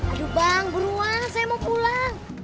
aduh bang buruan saya mau pulang